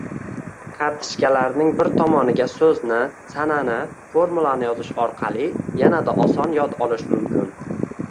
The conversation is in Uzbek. Kartochkalarning bir tomoniga so‘zni, sanani, formulani yozish orqali yanada oson yod olish mumkin.